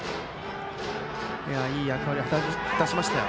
いい役割を果たしましたよ。